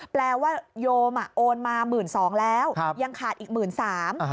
แปลว่าโยมโอนมา๑๒๐๐๐บาทแล้วยังขาดอีก๑๓๐๐๐บาท